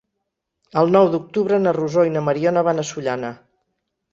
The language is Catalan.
El nou d'octubre na Rosó i na Mariona van a Sollana.